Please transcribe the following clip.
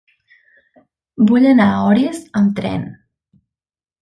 Vull anar a Orís amb tren.